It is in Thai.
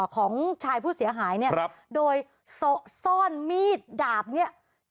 ของชายผู้เสียหายเนี่ยโดยซ่อนมีดดาบเนี่ย